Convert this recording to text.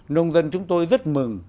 nông dân chúng tôi rất mừng